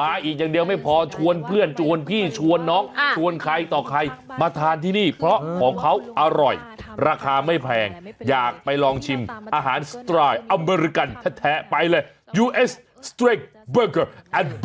มาอีกอย่างเดียวไม่พอชวนเพื่อนชวนพี่ชวนน้องชวนใครต่อใครมาทานที่นี่เพราะของเขาอร่อยราคาไม่แพงอยากไปลองชิมอาหารสไตล์อเมริกันแท้ไปเลยยูเอสสริกเบอร์เกิร์ต